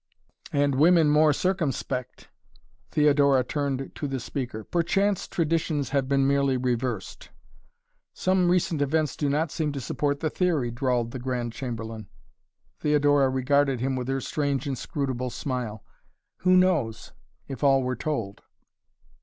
"And women more circumspect." Theodora turned to the speaker. "Perchance traditions have been merely reversed." "Some recent events do not seem to support the theory," drawled the Grand Chamberlain. Theodora regarded him with her strange inscrutable smile. "Who knows, if all were told?"